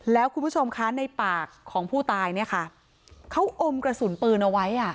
แล้วคุณผู้ชมคะในปากของผู้ตายเนี่ยค่ะเขาอมกระสุนปืนเอาไว้อ่ะ